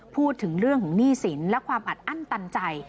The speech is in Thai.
พูดถึงเรื่องของหนี้สินและความอัดอั้นตันใจ